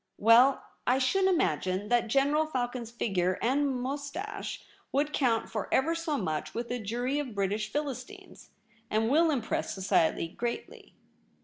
Well, I should imagine that General Falcon's figure and moustache would count for ever so much with 26 THE REBEL ROSE. a jury of British Philistines, and will im press society greatly.